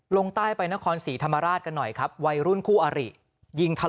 ลงใต้ไปนครศรีธรรมราชกันหน่อยครับวัยรุ่นคู่อาริยิงทะ